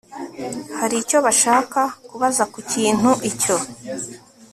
hari icyo bashaka kubaza ku kintu icyo